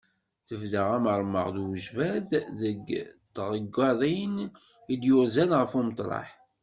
Tebda amermeɣ d ujbad deg tɣeggaḍin i tt-yurzen ɣer umeṭreḥ.